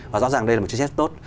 và rõ ràng đây là một chiếc xét tốt